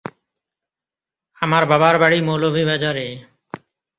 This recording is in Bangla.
আমার বাবার বাড়ি মৌলভীবাজারে।